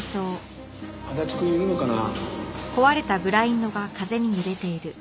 足立くんいるのかな？